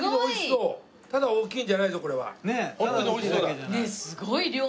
うん！